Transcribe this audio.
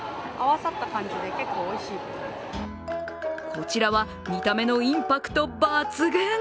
こちらは見た目のインパクト抜群。